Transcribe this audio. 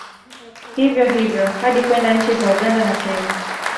Hivyo hivyo hadi kwenda nchi za Uganda na Kenya